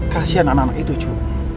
kasian anak anak itu juga